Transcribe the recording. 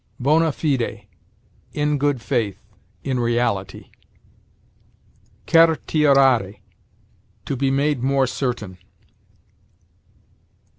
Bona fide: in good faith; in reality. Certiorari: to be made more certain.